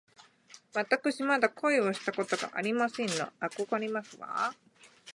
わたくしまだ恋をしたことがありませんの。あこがれますわ